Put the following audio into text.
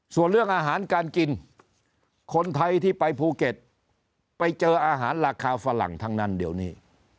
ส่วนเรื่องอาหารการกินคนไทยที่ไปภูเก็ตไปเจออาหารราคาฝรั่งทั้งนั้นเดี๋ยวนี้